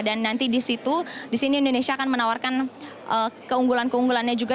dan nanti disitu disini indonesia akan menawarkan keunggulan keunggulannya juga